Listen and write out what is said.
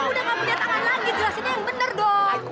udah gak punya tangan lagi jelasinnya yang benar dong